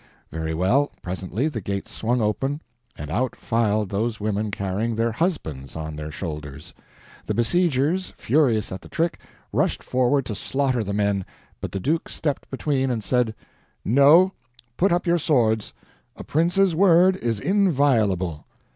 Very well, presently the gates swung open and out filed those women carrying their HUSBANDS on their shoulders. The besiegers, furious at the trick, rushed forward to slaughter the men, but the Duke stepped between and said: "No, put up your swords a prince's word is inviolable."